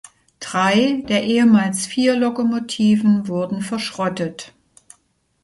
Drei der ehemals vier Lokomotiven wurden verschrottet.